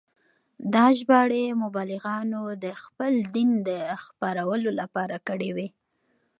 دا ژباړې مبلغانو د خپل دین د خپرولو لپاره کړې وې.